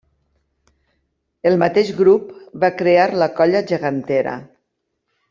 El mateix grup va crear la colla gegantera.